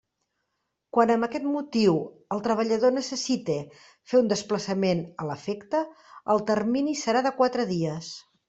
Quan amb aquest motiu el treballador necessite fer un desplaçament a l'efecte, el termini serà de quatre dies.